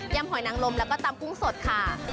หอยนางลมแล้วก็ตำกุ้งสดค่ะ